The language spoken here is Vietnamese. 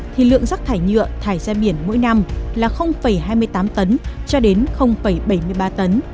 thì lượng rắc thải nhựa thải ra biển mỗi năm là hai mươi tám tấn cho đến bảy mươi ba tấn